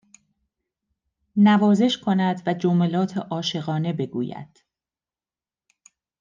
نوازش کند و جملات عاشقانه بگوید